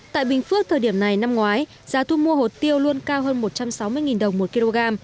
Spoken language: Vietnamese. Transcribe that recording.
tại bình phước thời điểm này năm ngoái giá thu mua hồt tiêu luôn cao hơn một trăm sáu mươi đồng một kg